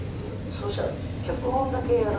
そうしたら脚本だけやらない。